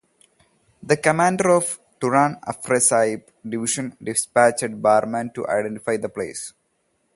The commander of Turan Afrasiab division dispatched Barman to identify the place.